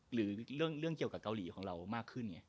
หรือเรื่องเกี่ยวกับเกาหลีของเรามากขึ้นไง